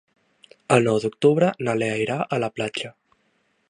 El nou d'octubre na Lea irà a la platja.